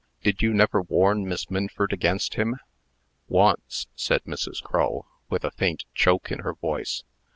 Did you never warn Miss Minford against him?" "Once," said Mrs. Crull, with a faint choke in her voice.